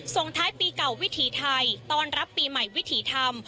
ส่งท้ายปีเก่าวิถีไทยต้อนรับปีใหม่วิถีธรรม